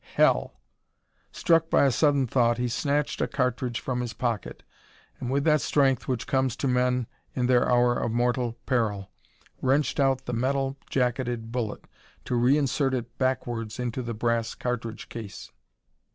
"Hell!" Struck by a sudden thought, he snatched a cartridge from his pocket and, with that strength which comes to men in their hour of mortal peril, wrenched out the metal jacketed bullet, to reinsert it backwards into the brass cartridge case.